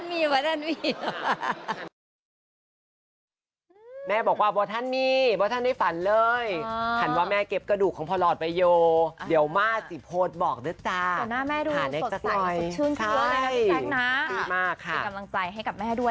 ไม่ว่าท่านได้ฝันเลยไม่ว่าท่านมีไม่ว่าท่านมี